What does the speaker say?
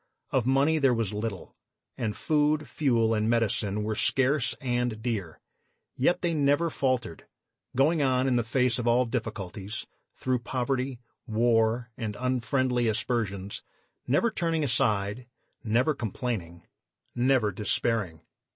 Of money there was little, and food, fuel and medicine were scarce and dear; yet they never faltered, going on in the face of all difficulties, through poverty, war and unfriendly aspersions, never turning aside, never complaining, never despairing.